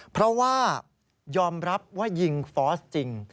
เพราะว่ายอมรับว่ายิงฟอสจริง